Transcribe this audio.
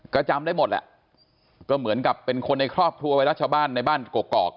ก็จำได้หมดแหละก็เหมือนกับเป็นคนในครอบครัวไวรัสชาวบ้านในบ้านกกอก